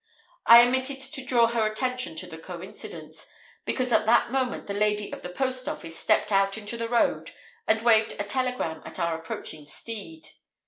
I omitted to draw her attention to the coincidence, because at that moment the lady of the post office stepped out into the road and waved a telegram at our approaching steed.